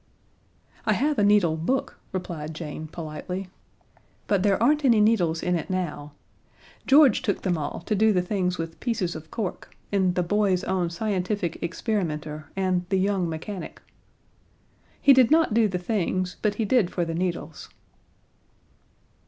"I have a needle book," replied Jane, politely, "but there aren't any needles in it now. George took them all to do the things with pieces of cork in the 'Boy's Own Scientific Experimenter' and 'The Young Mechanic.' He did not do the things, but he did for the needles."